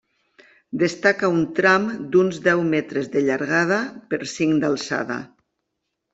Destaca un tram d'uns deu metres de llargada per cinc d'alçada.